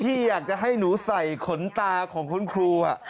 พี่อยากจะให้หนูใส่ขนตาของคุณครู